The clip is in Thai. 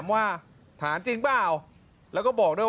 มายังจั่งตัวเนียละ